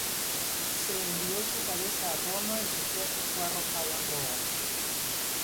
Se envió su cabeza a Roma y su cuerpo fue arrojado al Ródano.